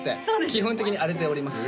基本的に荒れております